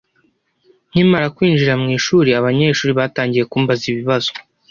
Nkimara kwinjira mu ishuri, abanyeshuri batangiye kumbaza ibibazo.